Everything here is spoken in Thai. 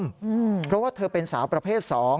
เพราะว่าเธอเป็นสาวประเภท๒